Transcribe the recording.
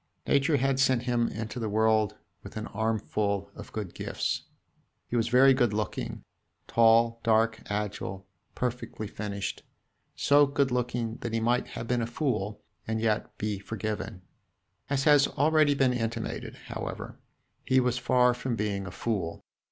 Nature had sent him into the world with an armful of good gifts. He was very good looking tall, dark, agile, perfectly finished, so good looking that he might have been a fool and yet be forgiven. As has already been intimated, however, he was far from being a fool.